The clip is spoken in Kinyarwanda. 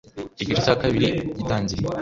Igice cya kabiri gitangiye